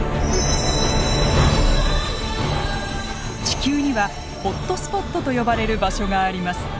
地球にはホットスポットと呼ばれる場所があります。